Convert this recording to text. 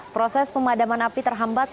proses pemadaman api terhambat